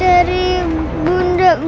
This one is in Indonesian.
dari bunda dewi